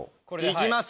いきます